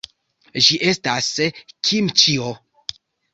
Ĝi estas kimĉio.